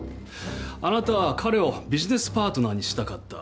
あなたは彼をビジネスパートナーにしたかった。